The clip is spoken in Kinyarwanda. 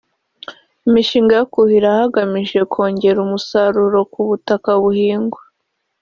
imishinga yo kuhira hagamije kongera umusaruro ku butaka buhingwa